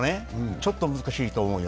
ちょっと難しいと思うよ。